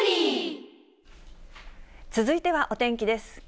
続いてはお天気です。